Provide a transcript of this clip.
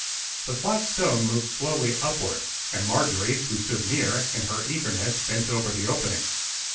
The flat stone moved slowly upward, and Marjorie, who stood near, in her eagerness, bent over the opening.